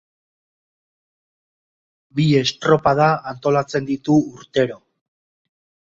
Bi estropada antolatzen ditu urtero.